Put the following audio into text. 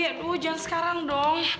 aduh jangan sekarang dong